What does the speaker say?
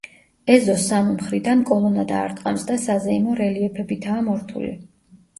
ეზოს სამი მხრიდან კოლონადა არტყავს და საზეიმო რელიეფებითაა მორთული.